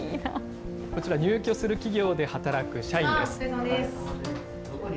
こちら、入居する企業で働く社員です。